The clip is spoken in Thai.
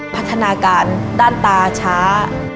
พัฒนาการด้านตาช้า